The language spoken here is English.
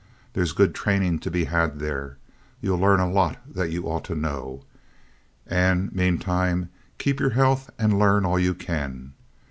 There's good training to be had there. You'll learn a lot that you ought to know. And, meantime, keep your health and learn all you can.